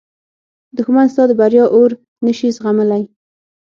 دښمن ستا د بریا اور نه شي زغملی